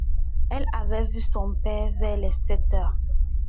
Elle avait vu son père vers les sept heures.